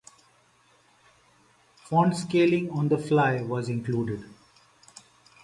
Font scaling on the fly was included.